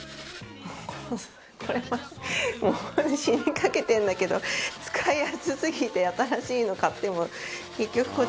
これはもう死にかけてるんだけど使いやすすぎて。